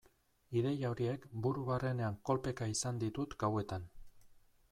Ideia horiek buru barrenean kolpeka izan ditut gauetan.